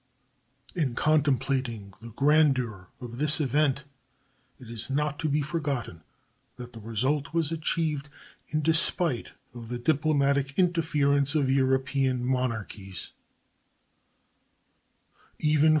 In contemplating the grandeur of this event it is not to be forgotten that the result was achieved in despite of the diplomatic interference of European monarchies.